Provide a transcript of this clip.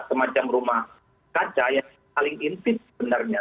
semacam rumah kaca yang paling intip sebenarnya